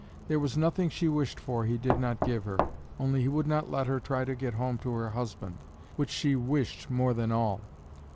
There was nothing she wished for he did not give her, only he would not let her try to get home to her husband, which she wished more than all.